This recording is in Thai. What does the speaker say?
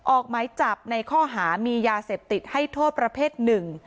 ออกหมายจับในข้อหามียาเสพติดให้โทษประเภทหนึ่ง